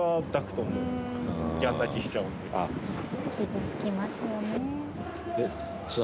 傷つきますよね。